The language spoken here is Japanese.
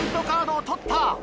カードを取った。